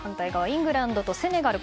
イングランドとセネガル。